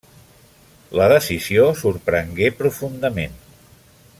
La decisió sorprengué profundament.